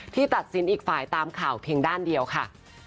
ตัดสินอีกฝ่ายตามข่าวเพียงด้านเดียวค่ะ